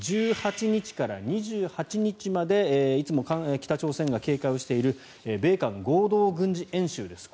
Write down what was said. １８日から２８日までいつも北朝鮮が警戒をしている米韓合同軍事演習です。